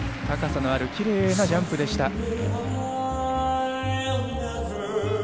高さのあるキレイなジャンプでした。